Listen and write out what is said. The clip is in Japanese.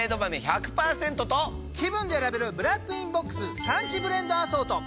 気分で選べるブラックインボックス産地ブレンドアソート。